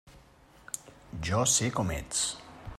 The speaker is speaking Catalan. Jo sé com ets.